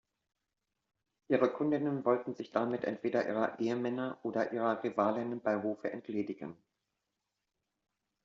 Ihre Kundinnen wollten sich damit entweder ihrer Ehemänner oder ihrer Rivalinnen bei Hofe entledigen.